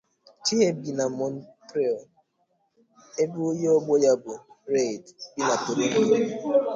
Chiheb bi na Montreal ebe onye ogbo ya bu Raed bi na Toronto.